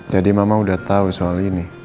jadi mama udah tau soal ini